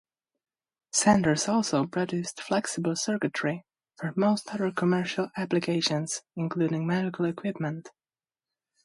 Sanders also produced flexible circuity for most other commercial applications including medical equipment.